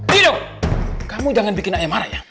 dido kamu jangan bikin ayah marah ya